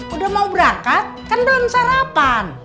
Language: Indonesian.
udah mau berangkat kan belum sarapan